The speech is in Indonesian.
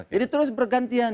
jadi terus bergantian